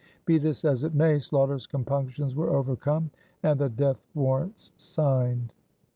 Be this as it may, Sloughter's compunctions were overcome and the death warrants signed.